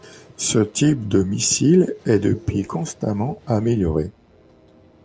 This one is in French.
Ce type de missile est depuis constamment amélioré.